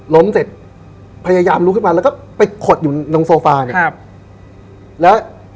ล้มเสร็จพยายามลุกขึ้นมาแล้วก็ไปขดอยุ่งโซฟา